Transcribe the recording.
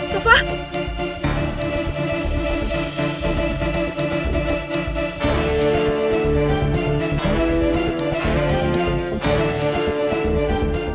tufa jangan kemana mana